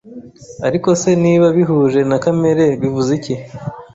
Ariko se, niba bihuje na kamere bivuze iki